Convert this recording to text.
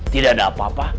tidak ada apa apa